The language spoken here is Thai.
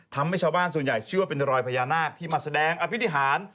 ทำให้ชาวบ้านส่วนใหญ่เชื่อว่าเป็นรอยพญานาคที่มาแสดงอภิษฐาน